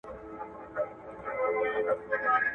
د کندهار لاسي صنایع ولې په هېواد کي مشهوري دي؟